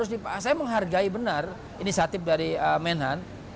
saya menghargai benar ini satip dari menhan